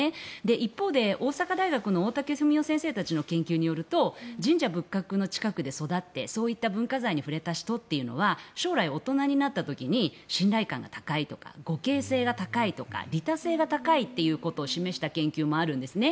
一方で、大阪大学の先生たちの研究によると神社仏閣の近くで育ってそういった文化財に触れた人は将来、大人になった時に信頼感が高いとか互恵性が高いとか利他性が高いということを示した研究もあるんですね。